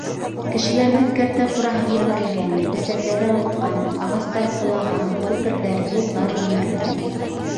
Кешеләрҙең кәртә-ҡураһы емерелгән, бесәндәре аҡҡан, ағастар ҡолаған, күперҙәр, юлдар емерелгән...